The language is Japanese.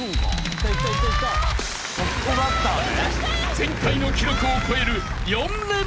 ［前回の記録を超える］